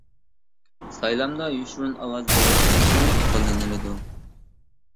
سايلامدا يوشۇرۇن ئاۋاز بېرىش ئۇسۇلى قوللىنىلىدۇ.